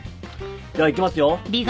じゃあいきますよ。